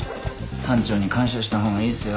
班長に感謝したほうがいいっすよ。